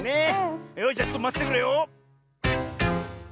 よしじゃちょっとまっててくれよ。